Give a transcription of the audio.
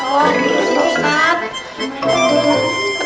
oh disini ustadz